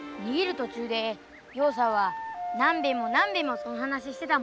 途中で陽さんは何べんも何べんもその話してたもん。